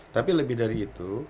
tapi lebih dari itu